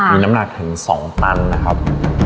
ค่ะมีน้ำหนักถึงสองปันนะครับ